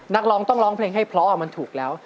นักร้องต้องร้องเพลงให้เพราะมันถูกแล้ว